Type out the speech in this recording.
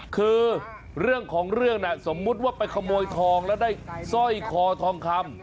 คือเรื่องของเรื่องน่ะสมมุติว่าไปขโมยทองแล้วได้สร้อยคอทองคำ